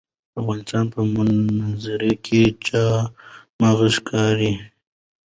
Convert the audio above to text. د افغانستان په منظره کې چار مغز ښکاره ده.